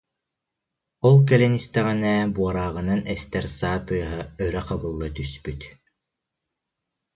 Ол кэлэн истэҕинэ, буорааҕынан эстэр саа тыаһа өрө хабылла түспүт